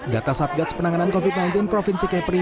data satgas penanganan covid sembilan belas provinsi kepri